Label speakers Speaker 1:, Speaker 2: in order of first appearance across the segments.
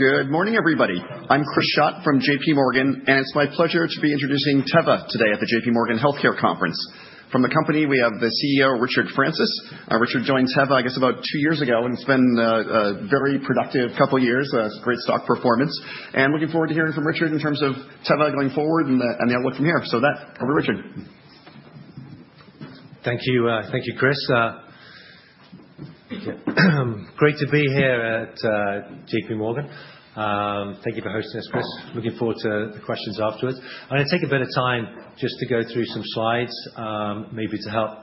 Speaker 1: Good morning, everybody. I'm Chris Schott from J.P. Morgan, and it's my pleasure to be introducing Teva today at the J.P. Morgan Healthcare Conference. From the company, we have the CEO, Richard Francis. Richard joined Teva, I guess, about two years ago, and it's been a very productive couple of years, great stock performance, and looking forward to hearing from Richard in terms of Teva going forward and the outlook from here, so over to Richard.
Speaker 2: Thank you, Chris. Great to be here at J.P. Morgan. Thank you for hosting us, Chris. Looking forward to the questions afterwards. I'm going to take a bit of time just to go through some slides, maybe to help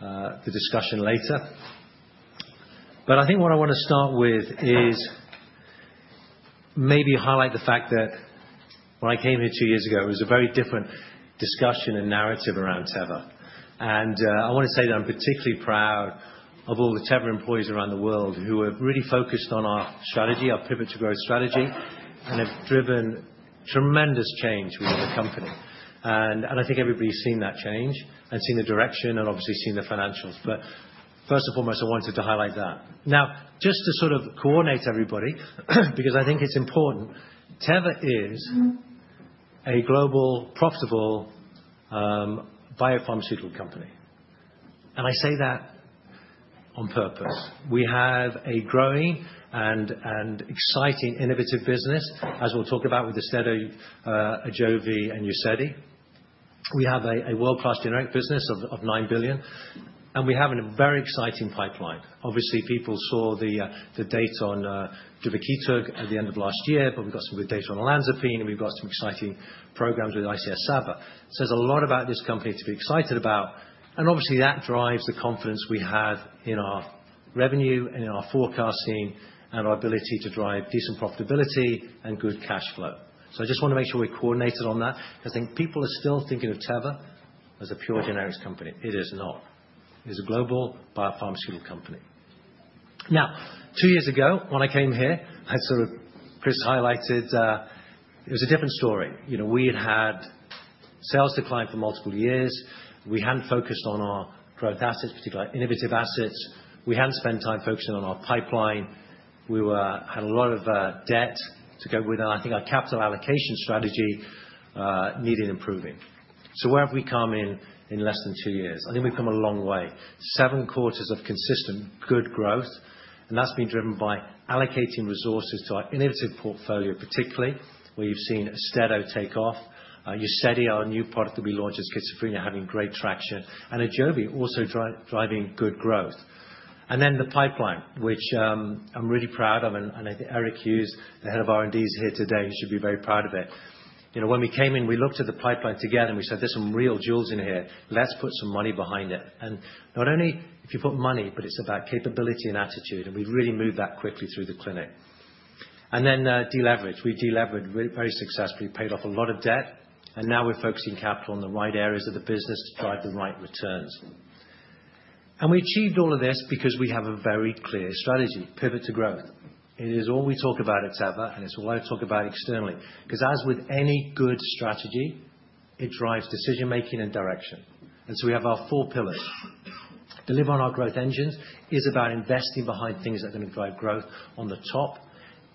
Speaker 2: the discussion later. But I think what I want to start with is maybe highlight the fact that when I came here two years ago, it was a very different discussion and narrative around Teva. And I want to say that I'm particularly proud of all the Teva employees around the world who have really focused on our strategy, our pivot to growth strategy, and have driven tremendous change within the company. And I think everybody's seen that change and seen the direction and obviously seen the financials. But first and foremost, I wanted to highlight that. Now, just to sort of coordinate everybody, because I think it's important, Teva is a global, profitable biopharmaceutical company, and I say that on purpose. We have a growing and exciting innovative business, as we'll talk about with Austedo, Ajovy, and Uzedy. We have a world-class generic business of $9 billion, and we have a very exciting pipeline. Obviously, people saw the data on duvakitug at the end of last year, but we've got some good data on olanzapine, and we've got some exciting programs with ICS/SABA. So there's a lot about this company to be excited about, and obviously, that drives the confidence we have in our revenue and in our forecasting and our ability to drive decent profitability and good cash flow, so I just want to make sure we're coordinated on that, because I think people are still thinking of Teva as a pure generics company. It is not. It is a global biopharmaceutical company. Now, two years ago, when I came here, as Chris highlighted, it was a different story. We had had sales decline for multiple years. We hadn't focused on our growth assets, particularly our innovative assets. We hadn't spent time focusing on our pipeline. We had a lot of debt to go with, and I think our capital allocation strategy needed improving. So where have we come in less than two years? I think we've come a long way. Seven quarters of consistent good growth, and that's been driven by allocating resources to our innovative portfolio, particularly where you've seen Austedo take off. Uzedy, our new product that we launched for schizophrenia, having great traction. And Ajovy, also driving good growth. Then the pipeline, which I'm really proud of, and I think Eric Hughes, the head of R&D, is here today, and he should be very proud of it. When we came in, we looked at the pipeline together and we said, "There's some real jewels in here. Let's put some money behind it." Not only if you put money, but it's about capability and attitude, and we've really moved that quickly through the clinic. Then deleverage. We've deleveraged very successfully, paid off a lot of debt, and now we're focusing capital on the right areas of the business to drive the right returns. We achieved all of this because we have a very clear strategy, pivot to growth. It is all we talk about at Teva, and it's all I talk about externally, because as with any good strategy, it drives decision-making and direction. We have our four pillars. Deliver on our growth engines is about investing behind things that are going to drive growth on the top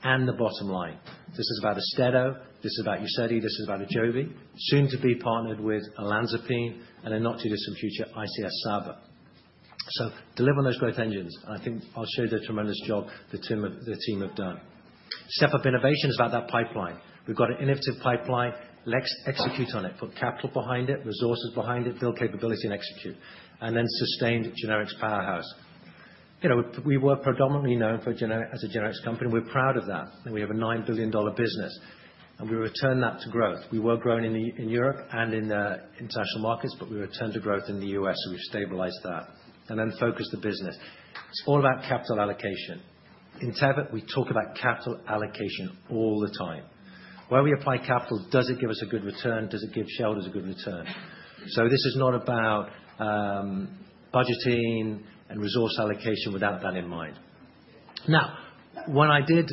Speaker 2: and the bottom line. This is about Austedo. This is about Uzedy. This is about Ajovy, soon to be partnered with olanzapine and then not to do some future ICS/SABA. Deliver on those growth engines. I think I'll show the tremendous job the team have done. Step Up Innovation is about that pipeline. We've got an innovative pipeline. Let's execute on it, put capital behind it, resources behind it, build capability, and execute. Sustained generics powerhouse. We were predominantly known as a generics company, and we're proud of that. We have a $9 billion business, and we return that to growth. We were growing in Europe and in international markets, but we returned to growth in the US, so we've stabilized that and then focused the business. It's all about capital allocation. In Teva, we talk about capital allocation all the time. Where we apply capital, does it give us a good return? Does it give shareholders a good return, so this is not about budgeting and resource allocation without that in mind. Now, when I did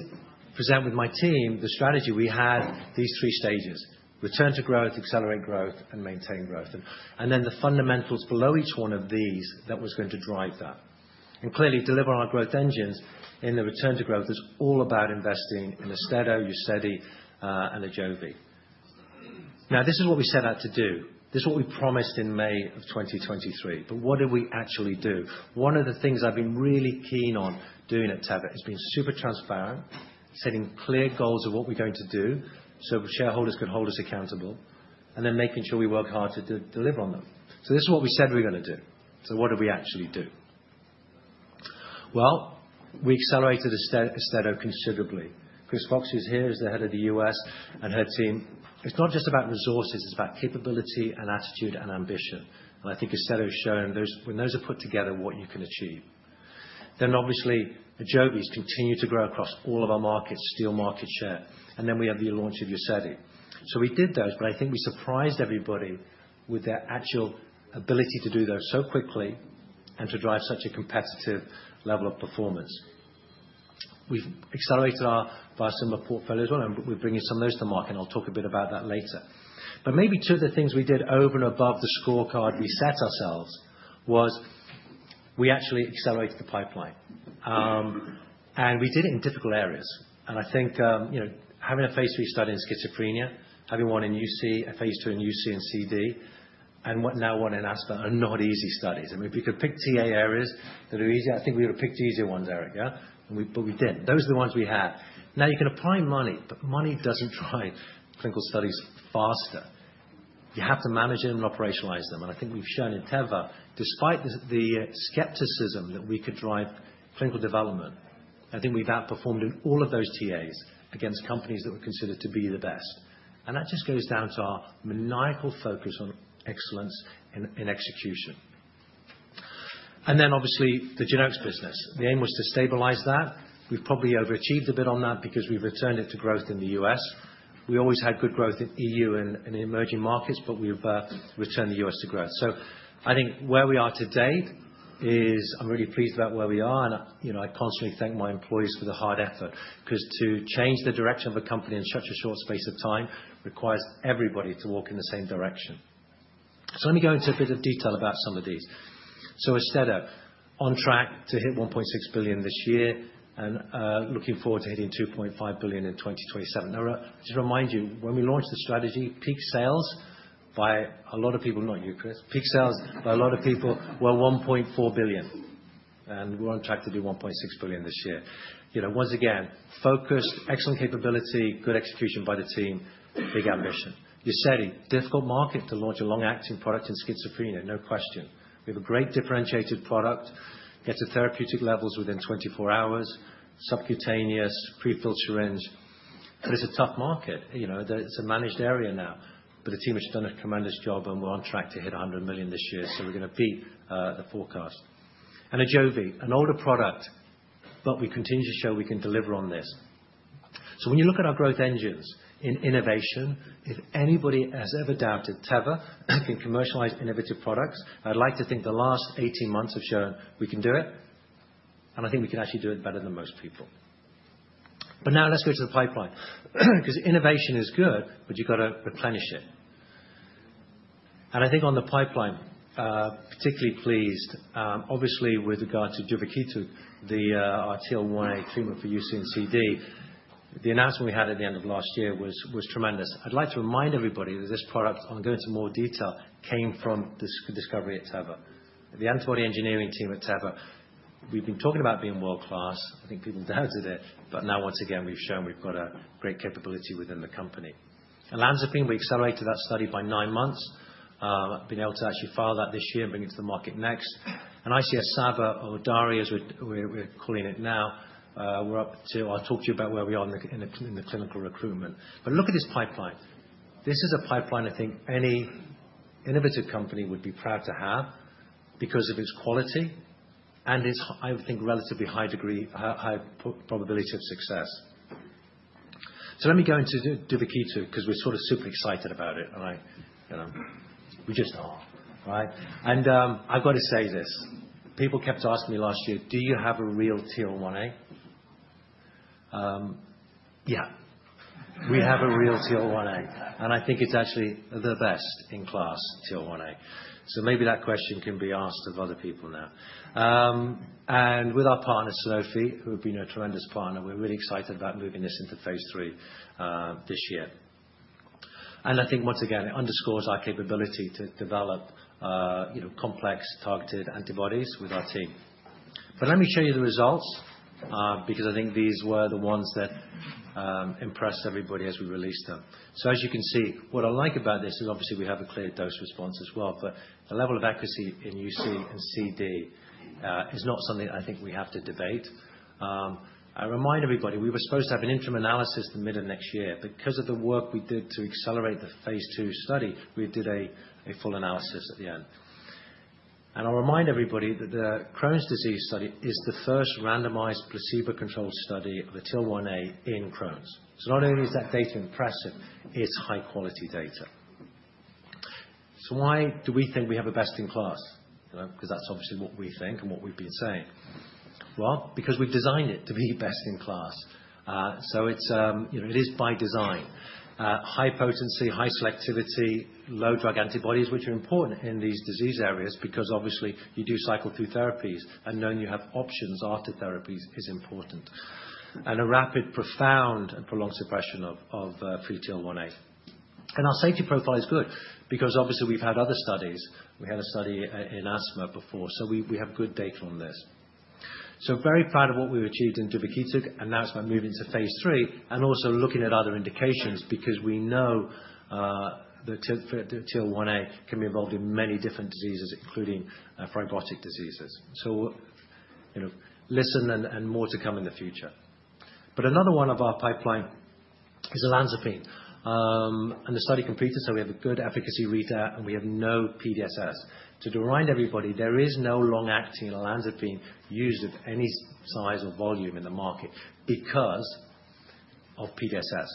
Speaker 2: present with my team the strategy, we had these three stages: return to growth, accelerate growth, and maintain growth, and then the fundamentals below each one of these that was going to drive that, and clearly, deliver on our growth engines in the return to growth is all about investing in Austedo, Uzedy, and Ajovy. Now, this is what we set out to do. This is what we promised in May of 2023. But what did we actually do? One of the things I've been really keen on doing at Teva has been super transparent, setting clear goals of what we're going to do so shareholders can hold us accountable, and then making sure we work hard to deliver on them. So this is what we said we were going to do. So what did we actually do? Well, we accelerated Austedo considerably. Chris Fox is here as the head of the US and her team. It's not just about resources. It's about capability and attitude and ambition. And I think Austedo has shown when those are put together, what you can achieve. Then obviously, Ajovy has continued to grow across all of our markets, steal market share. And then we have the launch of Uzedy. So we did those, but I think we surprised everybody with their actual ability to do those so quickly and to drive such a competitive level of performance. We've accelerated our biosimilar portfolio as well, and we're bringing some of those to market, and I'll talk a bit about that later. But maybe two of the things we did over and above the scorecard we set ourselves was we actually accelerated the pipeline. And we did it in difficult areas. And I think having a phase three study in schizophrenia, having one in UC, a phase two in UC and CD, and now one in MSA are not easy studies. I mean, if we could pick TA areas that are easier, I think we would have picked easier ones, Eric, yeah? But we didn't. Those are the ones we had. Now, you can apply money, but money doesn't drive clinical studies faster. You have to manage them and operationalize them. And I think we've shown in Teva, despite the skepticism that we could drive clinical development, I think we've outperformed in all of those TAs against companies that were considered to be the best. And that just goes down to our maniacal focus on excellence in execution. And then obviously, the generics business. The aim was to stabilize that. We've probably overachieved a bit on that because we've returned it to growth in the U.S. We always had good growth in the E.U. and in emerging markets, but we've returned the U.S. to growth. So I think where we are to date is I'm really pleased about where we are, and I constantly thank my employees for the hard effort because to change the direction of a company in such a short space of time requires everybody to walk in the same direction. So let me go into a bit of detail about some of these. So Austedo, on track to hit $1.6 billion this year and looking forward to hitting $2.5 billion in 2027. Now, just remind you, when we launched the strategy, peak sales by a lot of people, not you, Chris, peak sales by a lot of people were $1.4 billion, and we're on track to do $1.6 billion this year. Once again, focused, excellent capability, good execution by the team, big ambition. Uzedy, difficult market to launch a long-acting product in schizophrenia, no question. We have a great differentiated product, gets to therapeutic levels within 24 hours, subcutaneous, prefilled syringe. But it's a tough market. It's a managed area now, but the team has done a tremendous job, and we're on track to hit $100 million this year, so we're going to beat the forecast. And Ajovy, an older product, but we continue to show we can deliver on this. So when you look at our growth engines in innovation, if anybody has ever doubted Teva can commercialize innovative products, I'd like to think the last 18 months have shown we can do it, and I think we can actually do it better than most people. But now let's go to the pipeline because innovation is good, but you've got to replenish it. I think on the pipeline, particularly pleased, obviously with regard to duvakitug, the anti-TL1A treatment for UC and CD, the announcement we had at the end of last year was tremendous. I'd like to remind everybody that this product, I'm going into more detail, came from the discovery at Teva. The antibody engineering team at Teva, we've been talking about being world-class. I think people doubted it, but now once again, we've shown we've got a great capability within the company. olanzapine, we accelerated that study by nine months. I've been able to actually file that this year and bring it to the market next. And ICS/SABA, or Daria, as we're calling it now, we're up to. I'll talk to you about where we are in the clinical recruitment. Look at this pipeline. This is a pipeline I think any innovative company would be proud to have because of its quality and its, I would think, relatively high probability of success. So let me go into duvakitug because we're sort of super excited about it, and we just are, right? And I've got to say this. People kept asking me last year, "Do you have a real TL1A?" Yeah, we have a real TL1A, and I think it's actually the best in class TL1A. So maybe that question can be asked of other people now. And with our partner, Sanofi, who have been a tremendous partner, we're really excited about moving this into phase three this year. And I think once again, it underscores our capability to develop complex targeted antibodies with our team. But let me show you the results because I think these were the ones that impressed everybody as we released them. So as you can see, what I like about this is obviously we have a clear dose response as well, but the level of accuracy in UC and CD is not something I think we have to debate. I remind everybody we were supposed to have an interim analysis at the middle of next year. Because of the work we did to accelerate the phase two study, we did a full analysis at the end. And I'll remind everybody that the Crohn's disease study is the first randomized placebo-controlled study of a TL1A in Crohn's. So not only is that data impressive, it's high-quality data. So why do we think we have a best in class? Because that's obviously what we think and what we've been saying. Well, because we've designed it to be best in class. So it is by design. High potency, high selectivity, low anti-drug antibodies, which are important in these disease areas because obviously you do cycle through therapies, and knowing you have options after therapies is important. And a rapid, profound, and prolonged suppression of free TL1A. And our safety profile is good because obviously we've had other studies. We had a study in asthma before, so we have good data on this. So very proud of what we've achieved in duvakitug, and now it's about moving to phase three and also looking at other indications because we know that TL1A can be involved in many different diseases, including fibrotic diseases. So listen and more to come in the future. But another one of our pipeline is olanzapine. And the study completed, so we have a good efficacy readout, and we have no PDSS. To remind everybody, there is no long-acting olanzapine used of any size or volume in the market because of PDSS.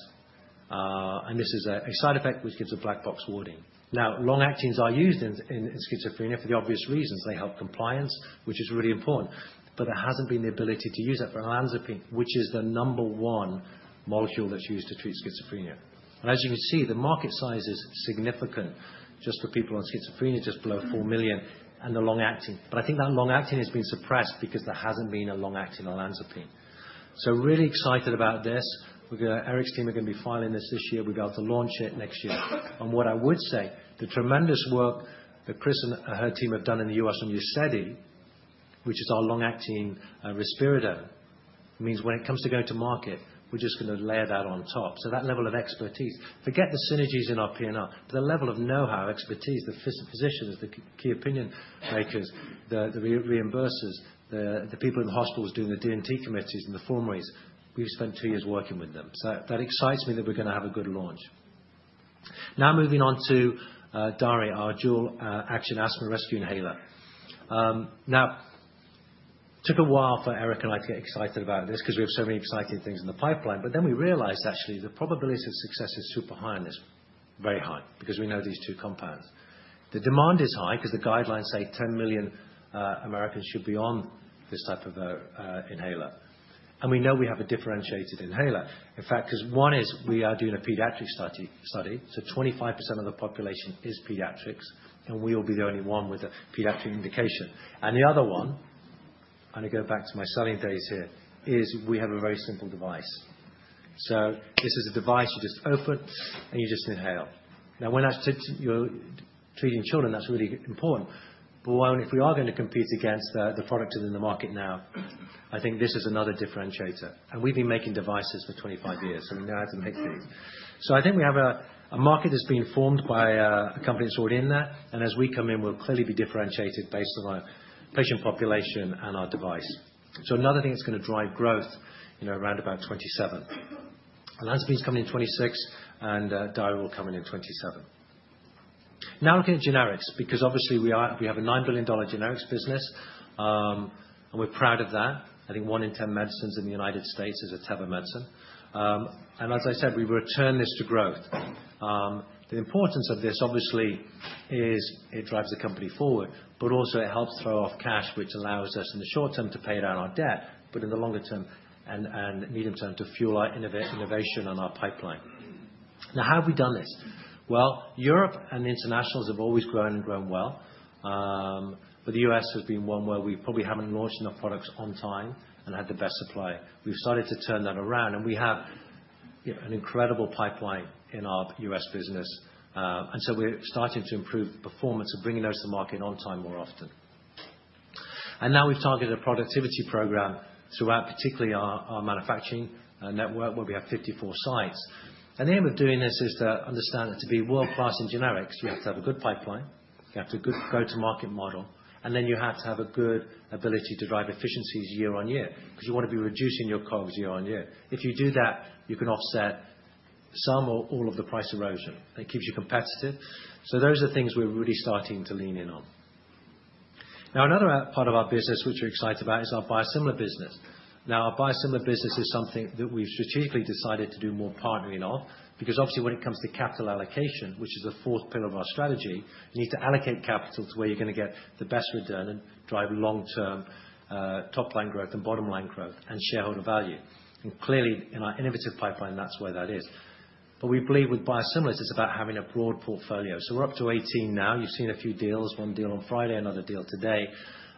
Speaker 2: And this is a side effect, which gives a black box warning. Now, long-actings are used in schizophrenia for the obvious reasons. They help compliance, which is really important. But there hasn't been the ability to use that for olanzapine, which is the number one molecule that's used to treat schizophrenia. And as you can see, the market size is significant just for people on schizophrenia, just below four million, and the long-acting. But I think that long-acting has been suppressed because there hasn't been a long-acting olanzapine. So really excited about this. Eric's team are going to be filing this this year. We'll be able to launch it next year. What I would say, the tremendous work that Chris and her team have done in the U.S. on Uzedy, which is our long-acting risperidone, means when it comes to going to market, we're just going to layer that on top. That level of expertise. Forget the synergies in our P&R. The level of know-how, expertise, the physicians, the key opinion makers, the reimbursers, the people in the hospitals doing the D&T committees and the formularies, we've spent two years working with them. That excites me that we're going to have a good launch. Now moving on to Daria, our dual-action asthma rescue inhaler. Now, it took a while for Eric and I to get excited about this because we have so many exciting things in the pipeline. Then we realized actually the probability of success is super high on this. Very high because we know these two compounds. The demand is high because the guidelines say 10 million Americans should be on this type of inhaler, and we know we have a differentiated inhaler. In fact, because one is we are doing a pediatric study, so 25% of the population is pediatrics, and we will be the only one with a pediatric indication, and the other one, and I go back to my selling days here, is we have a very simple device, so this is a device you just open, and you just inhale. Now, when you're treating children, that's really important, but if we are going to compete against the product that's in the market now, I think this is another differentiator, and we've been making devices for 25 years, so we know how to make these. So I think we have a market that's been formed by a company that's already in there. And as we come in, we'll clearly be differentiated based on our patient population and our device. So another thing that's going to drive growth around about 2027. olanzapine's coming in 2026, and Daria will come in in 2027. Now, looking at generics because obviously we have a $9 billion generics business, and we're proud of that. I think one in 10 medicines in the United States is a Teva medicine. And as I said, we return this to growth. The importance of this obviously is it drives the company forward, but also it helps throw off cash, which allows us in the short term to pay down our debt, but in the longer term and medium term to fuel our innovation on our pipeline. Now, how have we done this? Europe and the internationals have always grown and grown well, but the US has been one where we probably haven't launched enough products on time and had the best supply. We've started to turn that around, and we have an incredible pipeline in our US business. And so we're starting to improve the performance of bringing those to market on time more often. And now we've targeted a productivity program throughout particularly our manufacturing network where we have 54 sites. And the aim of doing this is to understand that to be world-class in generics, you have to have a good pipeline. You have to have a good go-to-market model, and then you have to have a good ability to drive efficiencies year on year because you want to be reducing your costs year on year. If you do that, you can offset some or all of the price erosion. It keeps you competitive, so those are things we're really starting to lean in on. Now, another part of our business which we're excited about is our biosimilar business. Now, our biosimilar business is something that we've strategically decided to do more partnering of because obviously when it comes to capital allocation, which is the fourth pillar of our strategy, you need to allocate capital to where you're going to get the best return and drive long-term top-line growth and bottom-line growth and shareholder value, and clearly, in our innovative pipeline, that's where that is, but we believe with biosimilars, it's about having a broad portfolio, so we're up to 18 now. You've seen a few deals, one deal on Friday, another deal today.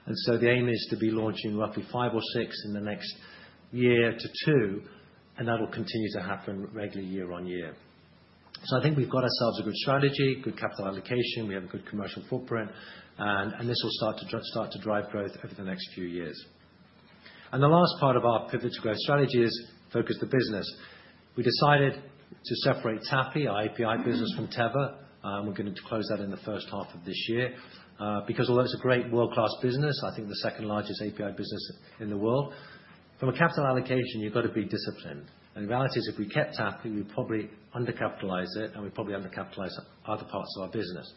Speaker 2: And so the aim is to be launching roughly five or six in the next year or two, and that'll continue to happen regularly year on year. So I think we've got ourselves a good strategy, good capital allocation. We have a good commercial footprint, and this will start to drive growth over the next few years. And the last part of our pivot to growth strategy is focus the business. We decided to separate TAPI, our API business, from Teva. We're going to close that in the first half of this year because although it's a great world-class business, I think the second largest API business in the world, from a capital allocation, you've got to be disciplined. And the reality is if we kept TAPI, we'd probably undercapitalize it, and we'd probably undercapitalize other parts of our business.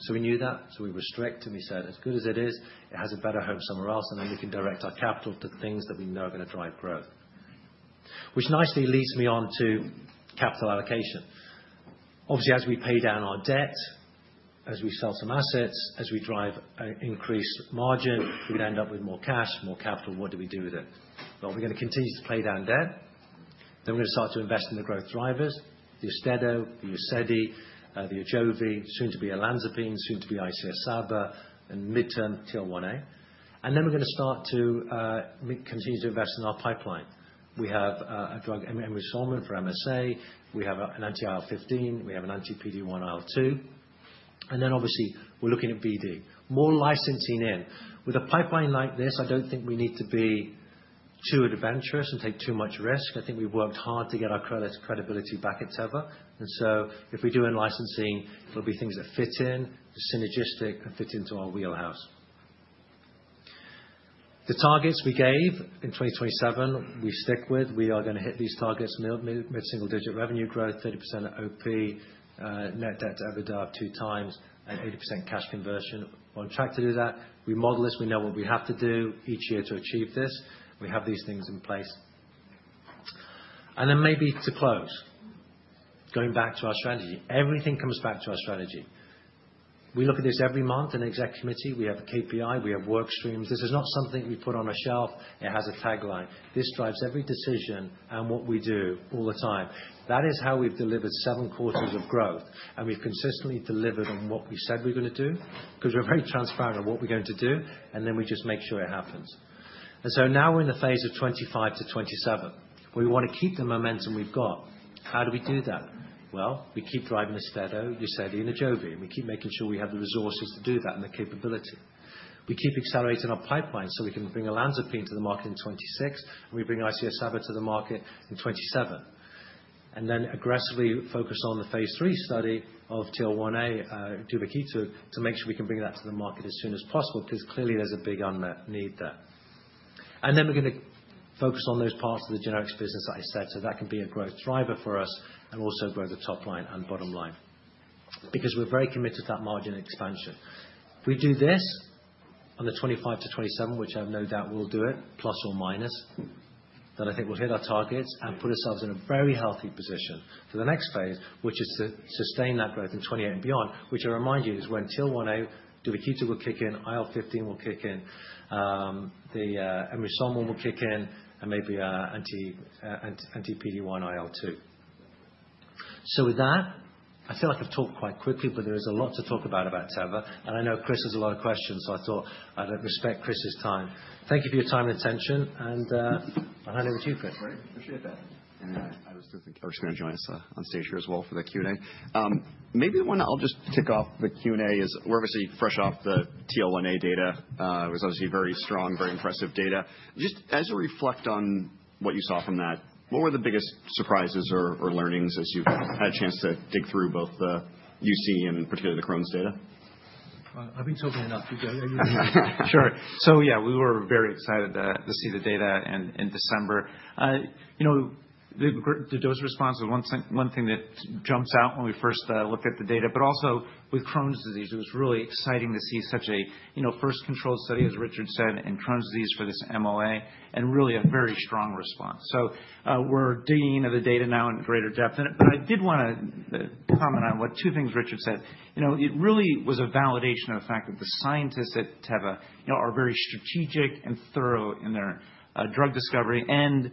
Speaker 2: So we knew that, so we restricted, and we said, "As good as it is, it has a better home somewhere else, and then we can direct our capital to things that we know are going to drive growth." Which nicely leads me on to capital allocation. Obviously, as we pay down our debt, as we sell some assets, as we drive an increased margin, we're going to end up with more cash, more capital. What do we do with it? Well, we're going to continue to pay down debt. Then we're going to start to invest in the growth drivers: the Austedo, the Uzedy, the Ajovy, soon to be olanzapine, soon to be ICS/SABA, and midterm TL1A. And then we're going to start to continue to invest in our pipeline. We have a drug, ampreloxetine, for MSA. We have an anti-IL-15. We have an anti-PD-1 IL-2. And then obviously, we're looking at BD. More licensing in. With a pipeline like this, I don't think we need to be too adventurous and take too much risk. I think we've worked hard to get our credibility back at Teva. And so if we do a licensing, there'll be things that fit in, synergistic and fit into our wheelhouse. The targets we gave in 2027, we stick with. We are going to hit these targets: mid-single-digit revenue growth, 30% OP, net debt to EBITDA of two times, and 80% cash conversion. We're on track to do that. We model this. We know what we have to do each year to achieve this. We have these things in place. And then maybe to close, going back to our strategy, everything comes back to our strategy. We look at this every month in an exec committee. We have a KPI. We have work streams. This is not something we put on a shelf. It has a tagline. This drives every decision and what we do all the time. That is how we've delivered seven quarters of growth. And we've consistently delivered on what we said we're going to do because we're very transparent on what we're going to do, and then we just make sure it happens. And so now we're in the phase of 2025 to 2027. We want to keep the momentum we've got. How do we do that? Well, we keep driving Austedo, Uzedy, and Ajovy. We keep making sure we have the resources to do that and the capability. We keep accelerating our pipeline so we can bring olanzapine to the market in 2026, and we bring ICS/SABA to the market in 2027. And then aggressively focus on the phase 3 study of TL1A, duvakitug, to make sure we can bring that to the market as soon as possible because clearly there's a big unmet need there. And then we're going to focus on those parts of the generics business that I said so that can be a growth driver for us and also grow the top line and bottom line because we're very committed to that margin expansion. If we do this on the 2025 to 2027, which I have no doubt we'll do it, plus or minus, then I think we'll hit our targets and put ourselves in a very healthy position for the next phase, which is to sustain that growth in 2028 and beyond, which I remind you is when TL1A duvakitug will kick in, IL-15 will kick in, the ampreloxetine will kick in, and maybe anti-PD-1 IL-2. So with that, I feel like I've talked quite quickly, but there is a lot to talk about Teva. And I know Chris has a lot of questions, so I thought I'd respect Chris's time. Thank you for your time and attention. And I'll hand over to you, Chris.
Speaker 1: Great. Appreciate that. And I was hoping Eric's going to join us on stage here as well for the Q&A. Maybe the one I'll just kick off the Q&A is we're obviously fresh off the TL1A data. It was obviously very strong, very impressive data. Just to reflect on what you saw from that, what were the biggest surprises or learnings as you've had a chance to dig through both the UC and particularly the Crohn's data?
Speaker 3: I've been talking enough. Sure. So yeah, we were very excited to see the data in December. The dose response was one thing that jumps out when we first looked at the data, but also with Crohn's disease, it was really exciting to see such a placebo-controlled study, as Richard said, in Crohn's disease for this MOA, and really a very strong response. So we're digging into the data now in greater depth. But I did want to comment on two things Richard said. It really was a validation of the fact that the scientists at Teva are very strategic and thorough in their drug discovery. And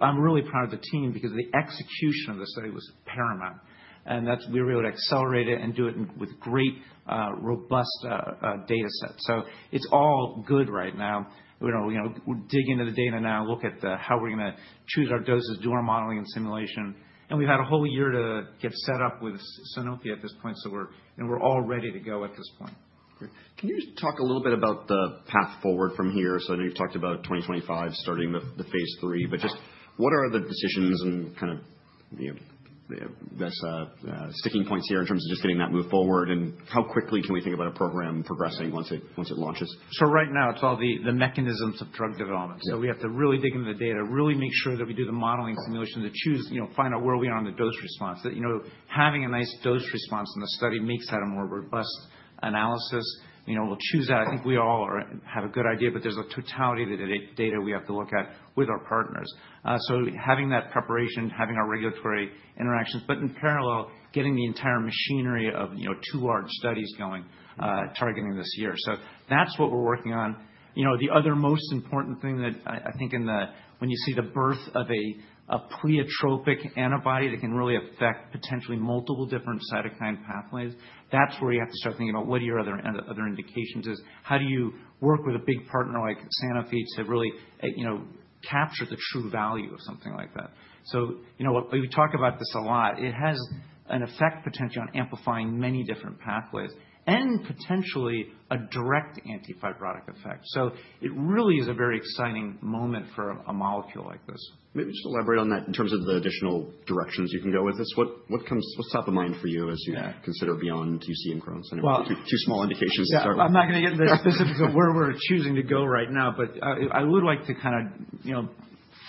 Speaker 3: I'm really proud of the team because the execution of the study was paramount. And we were able to accelerate it and do it with great, robust data sets. So it's all good right now. We're digging into the data now, look at how we're going to choose our doses, do our modeling and simulation. And we've had a whole year to get set up with Sanofi at this point, so we're all ready to go at this point. Can you talk a little bit about the path forward from here? I know you've talked about 2025 starting with the phase 3, but just what are the decisions and kind of the sticking points here in terms of just getting that move forward, and how quickly can we think about a program progressing once it launches?
Speaker 2: Right now, it's all the mechanisms of drug development. We have to really dig into the data, really make sure that we do the modeling simulation to find out where we are on the dose response. Having a nice dose response in the study makes that a more robust analysis. We'll choose that. I think we all have a good idea, but there's a totality of the data we have to look at with our partners. Having that preparation, having our regulatory interactions, but in parallel, getting the entire machinery of two large studies going, targeting this year. So that's what we're working on. The other most important thing that I think when you see the birth of a pleiotropic antibody that can really affect potentially multiple different cytokine pathways, that's where you have to start thinking about what your other indications is. How do you work with a big partner like Sanofi to really capture the true value of something like that? So we talk about this a lot. It has an effect potentially on amplifying many different pathways and potentially a direct antifibrotic effect. So it really is a very exciting moment for a molecule like this.
Speaker 1: Maybe just elaborate on that in terms of the additional directions you can go with this. What's top of mind for you as you consider beyond UC and Crohn's? I know two small indications to start with.
Speaker 2: Yeah, I'm not going to get into the specifics of where we're choosing to go right now, but I would like to kind of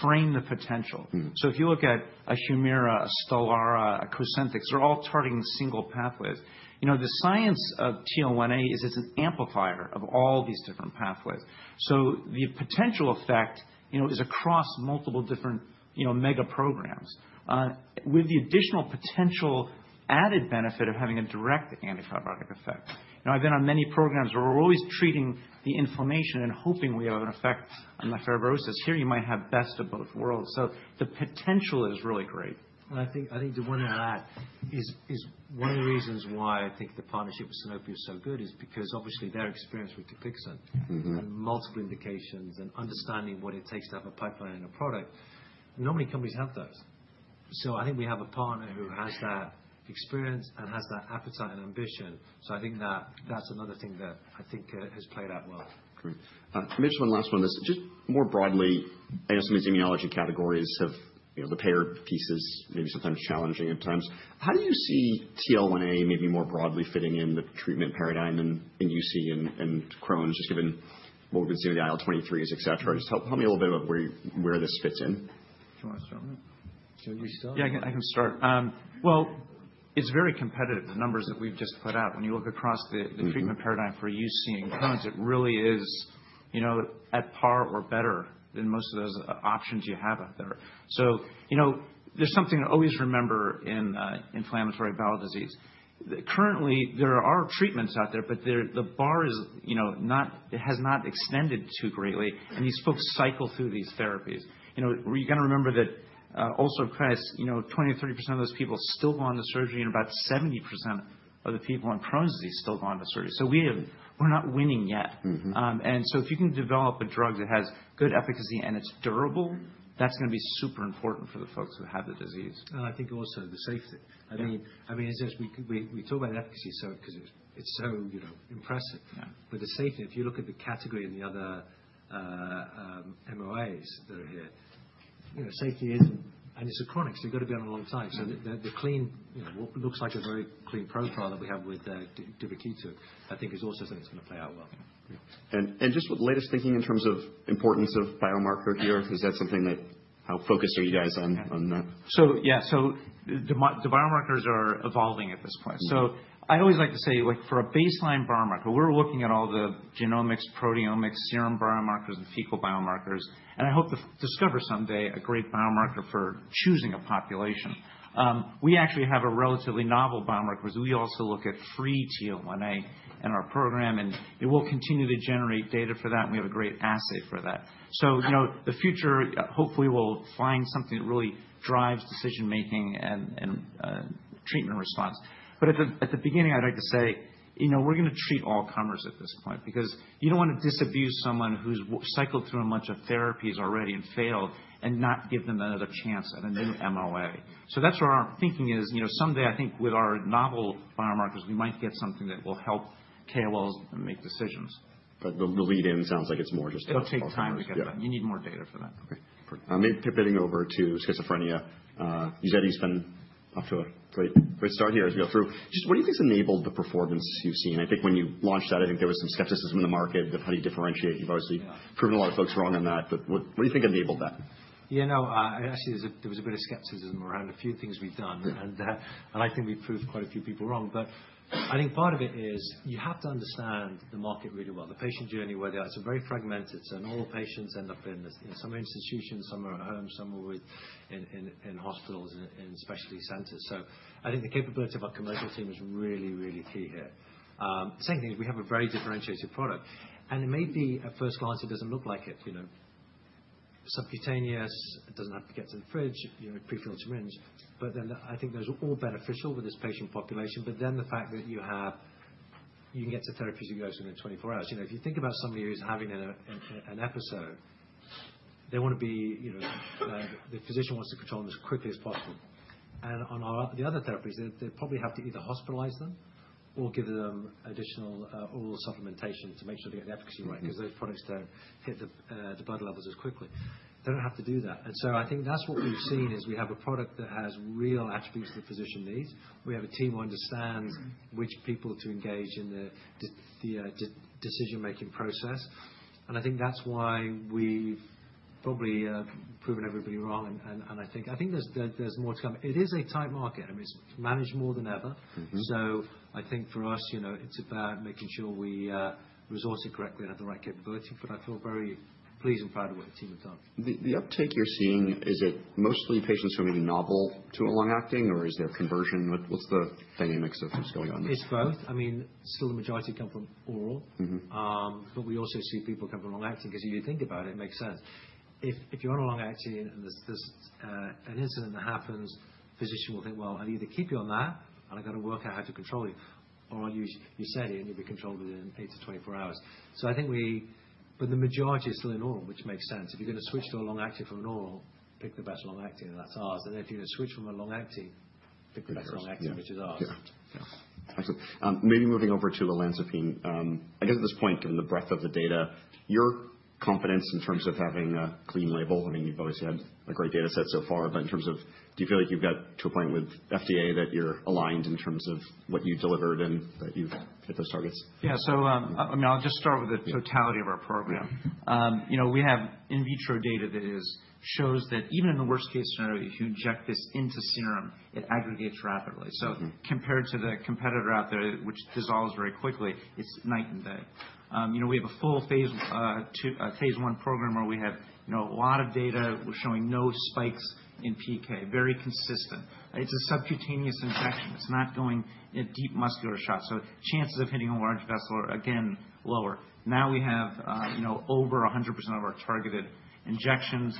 Speaker 2: frame the potential. So if you look at a Humira, a Stelara, a Cosentyx, they're all targeting single pathways. The science of TL1A is it's an amplifier of all these different pathways. So the potential effect is across multiple different mega programs, with the additional potential added benefit of having a direct antifibrotic effect. I've been on many programs where we're always treating the inflammation and hoping we have an effect on the fibrosis. Here, you might have best of both worlds. So the potential is really great. And I think that is one of the reasons why I think the partnership with Sanofi is so good, because obviously their experience with Dupixent and multiple indications and understanding what it takes to have a pipeline and a product. Not many companies have those. So I think we have a partner who has that experience and has that appetite and ambition. So I think that that's another thing that I think has played out well.
Speaker 1: Great. Maybe just one last one on this. Just more broadly, I know some of these immunology categories have the payer pieces maybe sometimes challenging at times. How do you see TL1A maybe more broadly fitting in the treatment paradigm in UC and Crohn's just given what we've been seeing with the IL-23s, etc.? Just help me a little bit about where this fits in.
Speaker 4: Do you want to start? Should we start?
Speaker 2: Yeah, I can start. Well, it's very competitive. The numbers that we've just put out, when you look across the treatment paradigm for UC and Crohn's, it really is at par or better than most of those options you have out there. So there's something to always remember in inflammatory bowel disease. Currently, there are treatments out there, but the bar has not extended too greatly. And these folks cycle through these therapies. You're going to remember that ulcerative colitis, 20%-30% of those people still go on to surgery, and about 70% of the people on Crohn's disease still go on to surgery. So we're not winning yet. And so if you can develop a drug that has good efficacy and it's durable, that's going to be super important for the folks who have the disease. And I think also the safety. I mean, as I said, we talk about efficacy because it's so impressive, but the safety, if you look at the category and the other MOAs that are here, safety is, and it's a chronic, so you've got to be on it a long time, so the clean, what looks like a very clean profile that we have with duvakitug, I think is also something that's going to play out well, and just with the latest thinking in terms of importance of biomarker here, is that something that how focused are you guys on that? So yeah, so the biomarkers are evolving at this point. I always like to say for a baseline biomarker, we're looking at all the genomics, proteomics, serum biomarkers, and fecal biomarkers. I hope to discover someday a great biomarker for choosing a population. We actually have a relatively novel biomarker because we also look at free TL1A in our program, and we'll continue to generate data for that, and we have a great assay for that. So the future, hopefully, will find something that really drives decision-making and treatment response. But at the beginning, I'd like to say we're going to treat all comers at this point because you don't want to disabuse someone who's cycled through a bunch of therapies already and failed and not give them another chance at a new MOA. So that's where our thinking is. Someday, I think with our novel biomarkers, we might get something that will help KOLs make decisions.
Speaker 1: But the lead-in sounds like it's more just a phenomenon.
Speaker 2: It'll take time to get that. You need more data for that.
Speaker 1: Okay. Maybe pivoting over to schizophrenia. Uzedy, you've been off to a great start here as we go through. Just what do you think has enabled the performance you've seen? I think when you launched that, I think there was some skepticism in the market of how do you differentiate. You've obviously proven a lot of folks wrong on that. But what do you think enabled that?
Speaker 2: Yeah, no, actually, there was a bit of skepticism around a few things we've done. And I think we've proved quite a few people wrong. But I think part of it is you have to understand the market really well, the patient journey, where it's very fragmented. So not all patients end up in some institutions, some are at home, some are in hospitals and specialty centers. So I think the capability of our commercial team is really, really key here. Same thing is we have a very differentiated product. And it may be at first glance, it doesn't look like it. Subcutaneous, it doesn't have to get to the fridge, prefilled syringe. But then I think those are all beneficial with this patient population. But then the fact that you can get to therapies you go to within 24 hours. If you think about somebody who's having an episode, they want to be the physician wants to control them as quickly as possible. And on the other therapies, they probably have to either hospitalize them or give them additional oral supplementation to make sure they get the efficacy right because those products don't hit the blood levels as quickly. They don't have to do that. And so I think that's what we've seen is we have a product that has real attributes that the physician needs. We have a team who understands which people to engage in the decision-making process, and I think that's why we've probably proven everybody wrong, and I think there's more to come. It is a tight market. I mean, it's managed more than ever, so I think for us, it's about making sure we resource it correctly and have the right capability, but I feel very pleased and proud of what the team have done.
Speaker 1: The uptake you're seeing, is it mostly patients who are maybe novel to a long-acting, or is there conversion? What's the dynamics of what's going on there?
Speaker 2: It's both. I mean, still the majority come from oral, but we also see people come from long-acting. Because if you think about it, it makes sense. If you're on a long-acting and there's an incident that happens, the physician will think, "Well, I either keep you on that, and I've got to work out how to control you, or I'll use Uzedy, and you'll be controlled within 8 to 24 hours." So I think, but the majority are still in oral, which makes sense. If you're going to switch to a long-acting from an oral, pick the best long-acting, and that's ours. And if you're going to switch from a long-acting, pick the best long-acting, which is ours.
Speaker 1: Yeah. Excellent. Maybe moving over to olanzapine. I guess at this point, given the breadth of the data, your confidence in terms of having a clean label, I mean, you've always had a great data set so far, but in terms of do you feel like you've got to a point with FDA that you're aligned in terms of what you delivered and that you've hit those targets?
Speaker 2: Yeah. So I mean, I'll just start with the totality of our program. We have in vitro data that shows that even in the worst-case scenario, if you inject this into serum, it aggregates rapidly. So compared to the competitor out there, which dissolves very quickly, it's night and day. We have a full phase one program where we have a lot of data showing no spikes in PK, very consistent. It's a subcutaneous injection. It's not going in a deep muscular shot. Chances of hitting a large vessel are, again, lower. Now we have over 100% of our targeted injections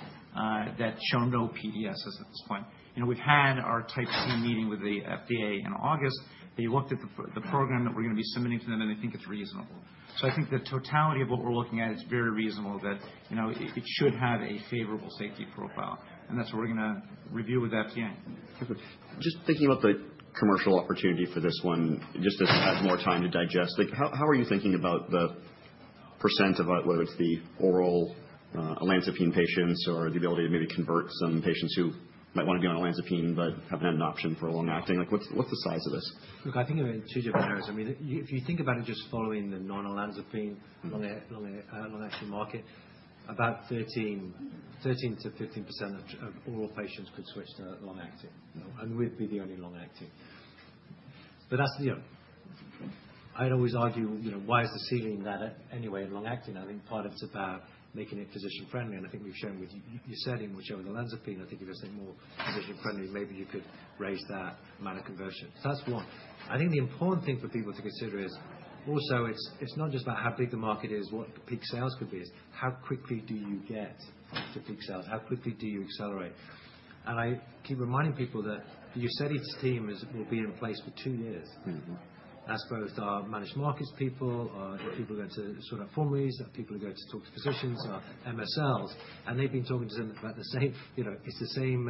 Speaker 2: that show no PDSS at this point. We've had our type C meeting with the FDA in August. They looked at the program that we're going to be submitting to them, and they think it's reasonable. So I think the totality of what we're looking at, it's very reasonable that it should have a favorable safety profile. And that's what we're going to review with the FDA.
Speaker 1: Just thinking about the commercial opportunity for this one, just as more time to digest, how are you thinking about the percent of whether it's the oral olanzapine patients or the ability to maybe convert some patients who might want to be on olanzapine but haven't had an option for long-acting? What's the size of this?
Speaker 2: Look, I think in two different areas. I mean, if you think about it just following the non-olanzapine long-acting market, about 13%-15% of oral patients could switch to long-acting. And we'd be the only long-acting. But I'd always argue, why is the ceiling that anyway in long-acting? I think part of it's about making it physician-friendly. And I think we've shown with Uzedy, and we've shown with olanzapine, I think if it's more physician-friendly, maybe you could raise that amount of conversion. So that's one. I think the important thing for people to consider is also it's not just about how big the market is, what peak sales could be, it's how quickly do you get to peak sales, how quickly do you accelerate. And I keep reminding people that Uzedy's team will be in place for two years. That's both our managed markets people, our people who are going to sort out formularies, our people who are going to talk to physicians, our MSLs, and they've been talking to them about the same; it's the same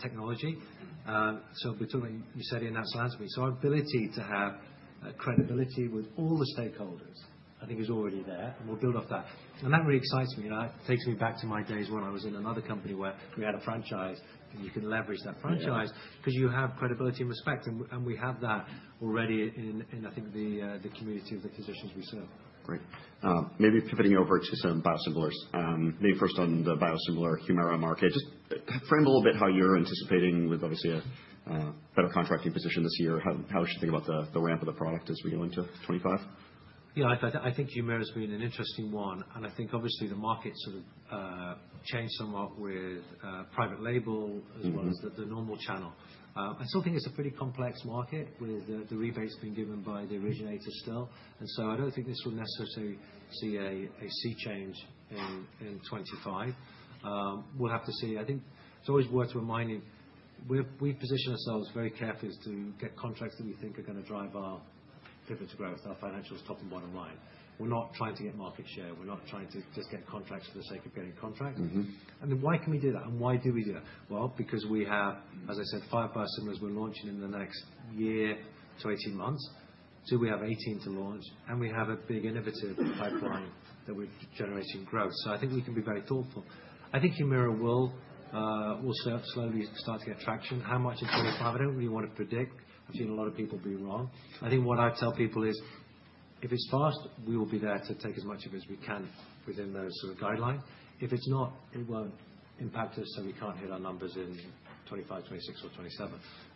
Speaker 2: technology, so we're talking about Uzedy and that's olanzapine, so our ability to have credibility with all the stakeholders, I think, is already there, and we'll build off that, and that really excites me, and it takes me back to my days when I was in another company where we had a franchise, and you can leverage that franchise because you have credibility and respect, and we have that already in, I think, the community of the physicians we serve.
Speaker 1: Great. Maybe pivoting over to some biosimilars. Maybe first on the biosimilar Humira market, just frame a little bit how you're anticipating with obviously a better contracting position this year. How should you think about the ramp of the product as we go into 2025?
Speaker 2: Yeah, I think Humira has been an interesting one, and I think obviously the market sort of changed somewhat with private label as well as the normal channel. I still think it's a pretty complex market with the rebates being given by the originator still, and so I don't think this will necessarily see a sea change in 2025. We'll have to see. I think it's always worth reminding, we position ourselves very carefully as to get contracts that we think are going to drive our pivot to growth, our financials top and bottom line. We're not trying to get market share. We're not trying to just get contracts for the sake of getting contracts, and then why can we do that? And why do we do that? Because we have, as I said, five biosimilars we're launching in the next year to 18 months. So we have 18 to launch. And we have a big innovative pipeline that we're generating growth. So I think we can be very thoughtful. I think Humira will slowly start to get traction. How much in 2025? I don't really want to predict. I've seen a lot of people be wrong. I think what I tell people is, if it's fast, we will be there to take as much of it as we can within those sort of guidelines. If it's not, it won't impact us, so we can't hit our numbers in 2025, 2026, or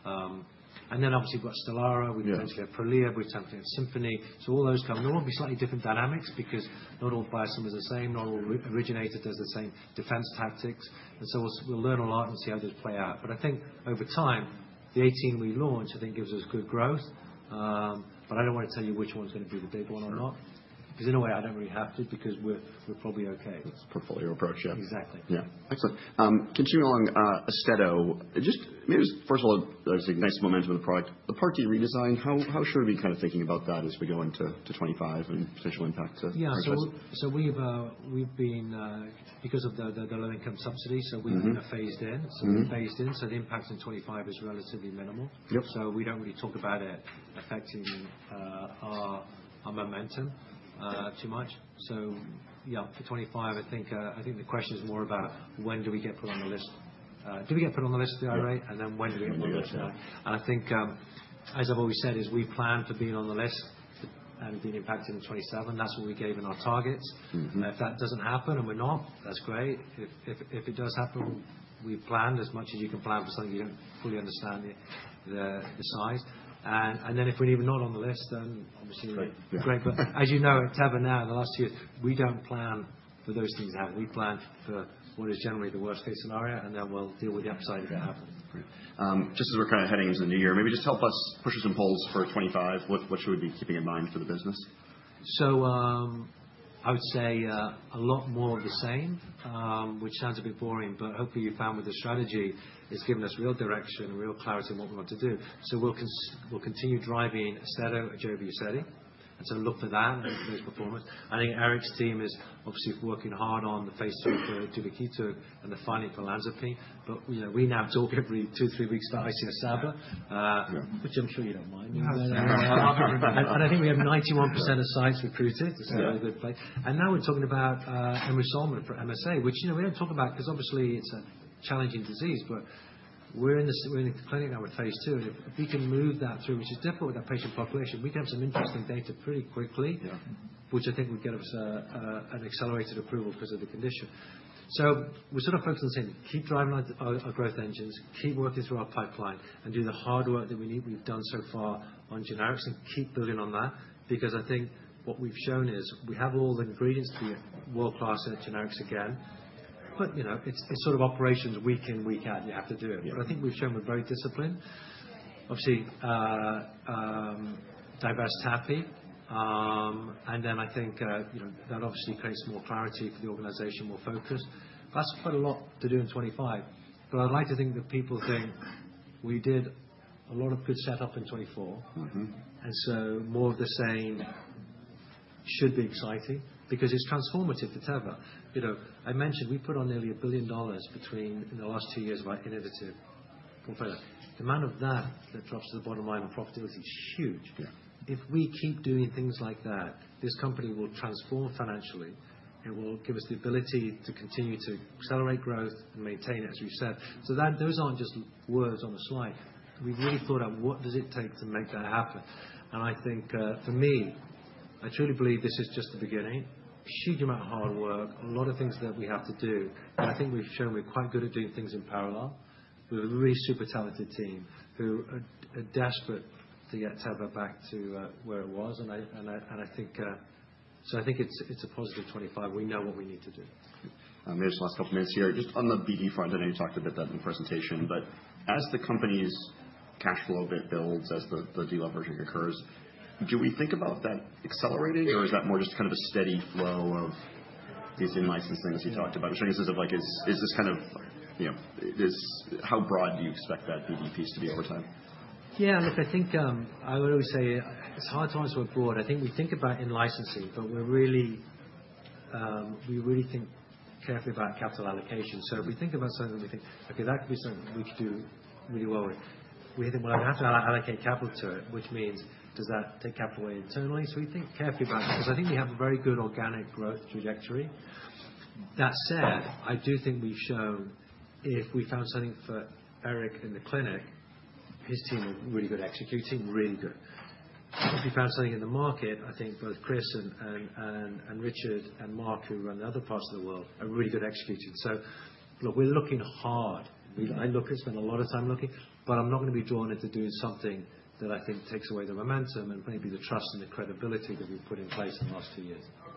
Speaker 2: 2027. And then obviously we've got Stelara. We potentially have Prolia. We potentially have Simponi. So all those come. There will be slightly different dynamics because not all biosimilars are the same. Not all originators do the same defense tactics. And so we'll learn a lot and see how those play out. But I think over time, the 18 we launch, I think, gives us good growth. But I don't want to tell you which one's going to be the big one or not. Because in a way, I don't really have to because we're probably okay.
Speaker 1: It's a portfolio approach, yeah.
Speaker 2: Exactly.
Speaker 1: Yeah. Excellent. Continuing along, Austedo. Just maybe first of all, obviously nice momentum of the product. The Part D redesign, how sure have you been kind of thinking about that as we go into 2025 and potential impact to targets?
Speaker 2: Yeah. So we've been, because of the Low-Income Subsidy, so we've been phased in. So we've phased in. So the impact in 2025 is relatively minimal. So we don't really talk about it affecting our momentum too much. So yeah, for 2025, I think the question is more about when do we get put on the list. Did we get put on the list, the IRA? And then when do we get put on the list? And I think, as I've always said, is we planned for being on the list and being impacted in 2027. That's what we gave in our targets. If that doesn't happen and we're not, that's great. If it does happen, we've planned as much as you can plan for something you don't fully understand the size. And then if we're even not on the list, then obviously great. Great. But as you know, at Teva now, the last few years, we don't plan for those things to happen. We plan for what is generally the worst-case scenario, and then we'll deal with the upside if it happens.
Speaker 1: Great. Just as we're kind of heading into the new year, maybe just help us push some polls for '25. What should we be keeping in mind for the business?
Speaker 2: So I would say a lot more of the same, which sounds a bit boring, but hopefully you found with the strategy, it's given us real direction and real clarity in what we want to do. So we'll continue driving Austedo, Ajovy, Uzedy. And so look for that and those performances. I think Eric's team is obviously working hard on the phase 2 for duvakitug and the filing for olanzapine. But we now talk every two, three weeks about ICS/SABA, which I'm sure you don't mind. And I think we have 91% of sites recruited. It's a very good place. And now we're talking about Emrysoma for MSA, which we don't talk about because obviously it's a challenging disease. But we're in the clinic now with phase two. And if we can move that through, which is difficult with that patient population, we can have some interesting data pretty quickly, which I think would get us an accelerated approval because of the condition. So we're sort of focused on the same. Keep driving our growth engines. Keep working through our pipeline and do the hard work that we've done so far on generics and keep building on that. Because I think what we've shown is we have all the ingredients to be world-class at generics again. But it's sort of operations week in, week out. You have to do it. But I think we've shown we're very disciplined. Obviously, divest TAPI. And then I think that obviously creates more clarity for the organization, more focus. That's quite a lot to do in 2025. But I'd like to think that people think we did a lot of good setup in 2024. And so more of the same should be exciting because it's transformative for Teva. I mentioned we put on nearly $1 billion between in the last two years of our innovative portfolio. The amount of that that drops to the bottom line on profitability is huge. If we keep doing things like that, this company will transform financially. It will give us the ability to continue to accelerate growth and maintain it, as we've said. So those aren't just words on a slide. We've really thought out what does it take to make that happen. And I think for me, I truly believe this is just the beginning. Huge amount of hard work, a lot of things that we have to do. I think we've shown we're quite good at doing things in parallel. We have a really super talented team who are desperate to get Teva back to where it was. I think so I think it's a positive 2025. We know what we need to do.
Speaker 1: Maybe just last couple of minutes here. Just on the BD front, I know you talked a bit about that in the presentation. But as the company's cash flow bit builds, as the de-leveraging occurs, do we think about that accelerating, or is that more just kind of a steady flow of these in-licensing as you talked about? I'm just trying to get a sense of is this kind of how broad do you expect that BD piece to be over time?
Speaker 2: Yeah. Look, I think I would always say it's hard times when we're broad. I think we think about in-licensing, but we really think carefully about capital allocation. So if we think about something that we think, "Okay, that could be something we could do really well with," we think, "Well, I'm going to have to allocate capital to it," which means, "Does that take capital away internally?" So we think carefully about it. Because I think we have a very good organic growth trajectory. That said, I do think we've shown if we found something for Eric in the clinic, his team are really good executing, really good. If we found something in the market, I think both Chris and Richard and Mark, who run the other parts of the world, are really good executing. So look, we're looking hard. I look at spending a lot of time looking, but I'm not going to be drawn into doing something that I think takes away the momentum and maybe the trust and the credibility that we've put in place in the last two years.